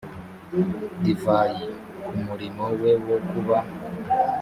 divayi ku murimo we wo kuba